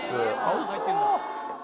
おいしそう！